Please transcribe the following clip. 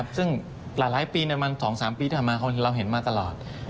ซึ่งหลายปีคือ๒๓ปีที่มาความรู้เราเห็นมาตลอด